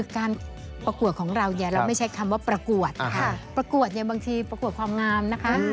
การประกวดของเราเนี่ยเราไม่ใช้คำว่าประกวดค่ะประกวดเนี่ยบางทีประกวดความงามนะคะ